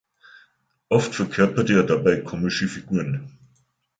Oft verkörperte er dabei komische Figuren.